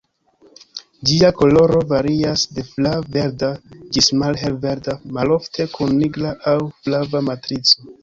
Ĝia koloro varias de flav-verda ĝis malhel-verda, malofte kun nigra aŭ flava matrico.